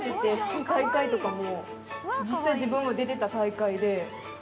大会とかも実際自分も出てた大会で。